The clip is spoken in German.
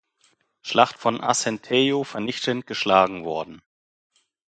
Schlacht von Acentejo vernichtend geschlagen worden.